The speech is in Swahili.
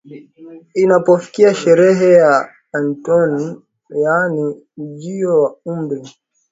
Inapofikia sherehe ya eunoto yaani ujio wa umri